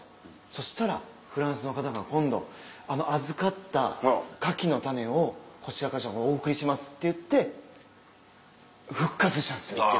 そしたらフランスの方が今度「あの預かった牡蠣の種をこちらからお送りします」っていって復活したんですよ。